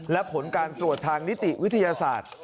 และผลการตรวจทางนิติวิทยาศาสตร์